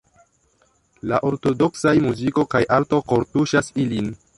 La ortodoksaj muziko kaj arto kortuŝas ilin.